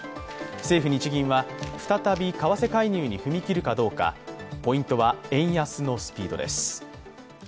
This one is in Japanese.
政府日銀は、再び為替介入に踏み切るかどうか、ポイントは円安のスピードです。